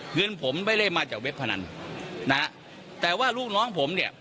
เงินผมไม่ได้มาจากเว็บพนันนะฮะแต่ว่าลูกน้องผมเนี่ย